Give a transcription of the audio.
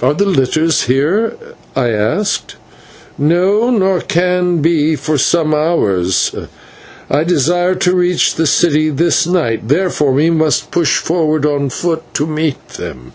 "Are the litters here?" I asked. "No, nor can be for some hours. I desire to reach the city this night, therefore we must push forward on foot to meet them."